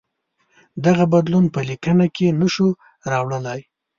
دغه بدلون په لیکنه کې نه شو راوړلای.